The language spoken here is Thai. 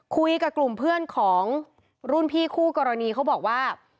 คุยกับกลุ่มเพื่อนของรุ่นพี่คู่กรณีเขาบอกว่า